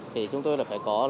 thì chúng tôi phải có